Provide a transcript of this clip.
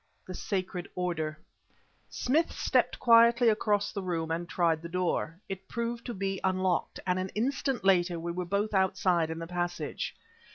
THE SACRED ORDER Smith stepped quietly across the room and tried the door. It proved to be unlocked, and an instant later, we were both outside in the passage.